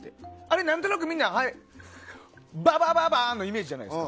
何となく、あれ、みんなババババーンのイメージじゃないですか。